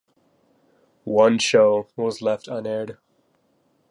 One show was left unaired.